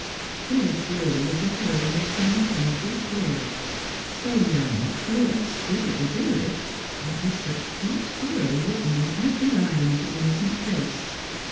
Here surely was the heroine of some painful story. So young,'so exquisitely girlish, yet with such deep sorrow written in every line of the innocent face.